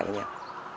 vậy là vậy